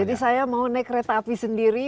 jadi saya mau naik kereta api sendiri